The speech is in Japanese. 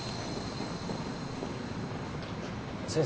先生